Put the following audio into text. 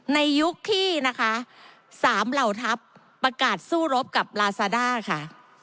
ในยุคที่นะคะ๓เหล่าทัพประกาศสู้รบกับลาซาด้าค่ะ